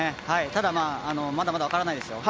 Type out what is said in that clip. ただ、まだまだ分からないですよ。